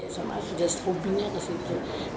sama sudah skubingnya ke situ